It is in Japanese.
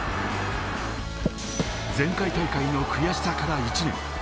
前回大会の悔しさから１年。